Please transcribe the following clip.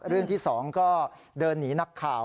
เรื่องที่๒ก็เดินหนีนักข่าว